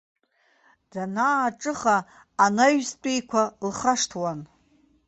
Данааҿыха, анаҩстәиқәа лхашҭуан.